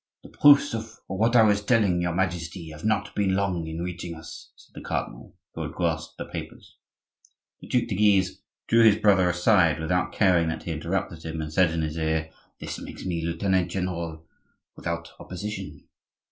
"The proofs of what I was telling to your Majesty have not been long in reaching us," said the cardinal, who had grasped the papers. The Duc de Guise drew his brother aside without caring that he interrupted him, and said in his ear, "This makes me lieutenant general without opposition."